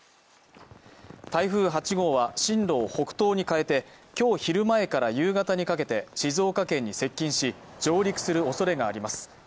台風８号は進路を北東に変えて今日昼前から夕方にかけて静岡県に接近し、上陸するおそれがあります。